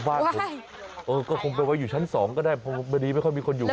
บ้านผมก็คงไปไว้อยู่ชั้นสองก็ได้พอดีไม่ค่อยมีคนอยู่